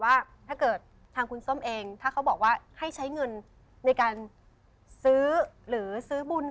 ว่าถ้าเกิดทางคุณส้มเองถ้าเขาบอกว่าให้ใช้เงินในการซื้อหรือซื้อบุญ